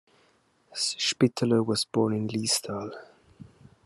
Spitteler was born in Liestal.